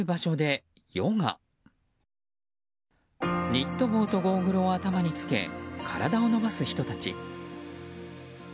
ニット帽とゴーグルを頭につけ体を伸ばす人たち。